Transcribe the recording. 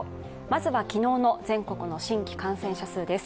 まずは、昨日の全国の新規感染者数です。